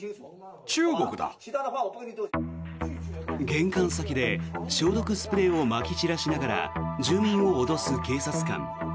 玄関先で消毒スプレーをまき散らしながら住民を脅す警察官。